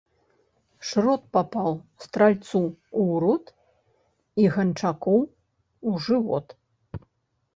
Шрот папаў стральцу ў рот і ганчаку ў жывот.